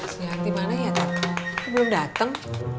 si hati mana ya kok belum dateng